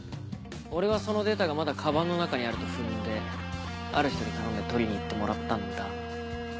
俺はそのデータがまだカバンの中にあると踏んである人に頼んで取りに行ってもらったんだ。